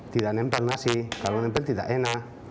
tidak nempel nasi kalau nempel tidak enak